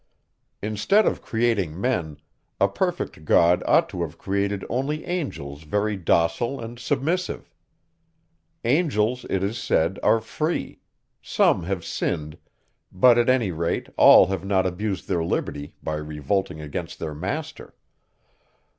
Instead of creating men, a perfect God ought to have created only angels very docile and submissive. Angels, it is said, are free; some have sinned; but, at any rate, all have not abused their liberty by revolting against their master.